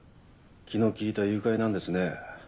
気の利いた誘拐なんですね。